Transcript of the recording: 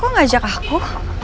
kok ngajak aku